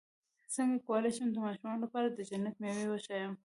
څنګه کولی شم د ماشومانو لپاره د جنت مېوې وښایم